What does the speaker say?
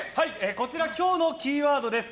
こちら、今日のキーワードです。